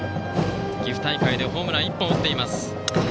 岐阜大会でホームランを１本打っています。